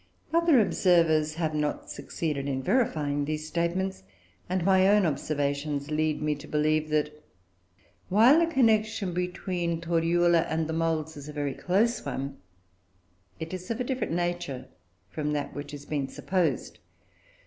Other observers have not succeeded in verifying these statements; and my own observations lead me to believe, that while the connection between Torula and the moulds is a very close one, it is of a different nature from that which has been supposed.